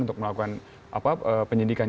untuk melakukan penyidikan